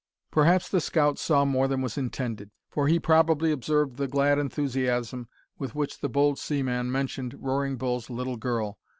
Perhaps the scout saw more than was intended, for he probably observed the glad enthusiasm with which the bold seaman mentioned Roaring Bull's little girl.